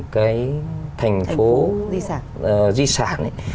cái thành phố di sản